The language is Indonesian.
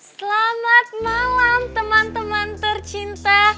selamat malam teman teman tercinta